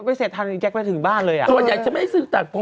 พี่หนูถามจริงชุดที่พี่ซื้อไปเยอะ